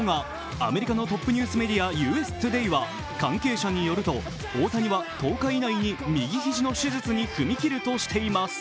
アメリカのトップニュースメディア「ＵＳＡＴＯＤＡＹ」は大谷は１０日以内に右肘の手術に踏み切るとしています。